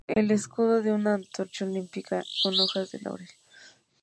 El escudo es una antorcha olímpica con hojas de laurel.